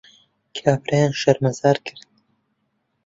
کابرایان شەرمەزار کرد